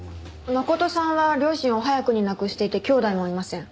真琴さんは両親を早くに亡くしていて兄弟もいません。